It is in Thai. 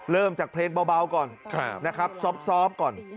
เริ่มจากเพลงเบาก่อนนะครับซอบก่อน